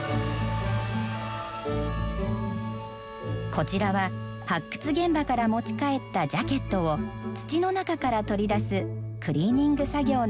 こちらは発掘現場から持ち帰ったジャケットを土の中から取り出すクリーニング作業の真っ最中です。